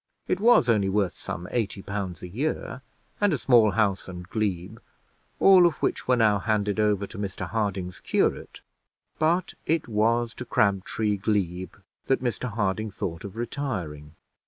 It was only worth some eighty pounds a year, and a small house and glebe, all of which were now handed over to Mr Harding's curate; but it was to Crabtree glebe that Mr Harding thought of retiring.